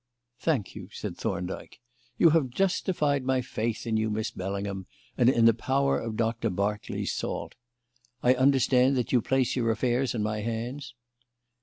"Thank you," said Thorndyke. "You have justified my faith in you, Miss Bellingham, and in the power of Doctor Berkeley's salt. I understand that you place your affairs in my hands?"